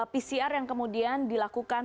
pcr yang kemudian dilakukan